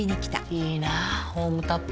いいなホームタップ。